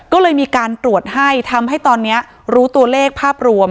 ก็เลยมีการตรวจให้ทำให้ตอนนี้รู้ตัวเลขภาพรวม